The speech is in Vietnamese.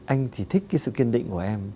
anh thì thích cái sự kiên định của em